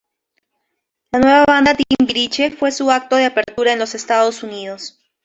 La Nueva Banda Timbiriche fue su acto de apertura en los Estados Unidos.